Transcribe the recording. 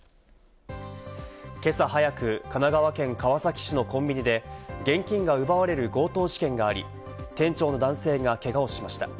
今朝早く、神奈川県川崎市のコンビニで現金が奪われる強盗事件があり、店長の男性がけがをしました。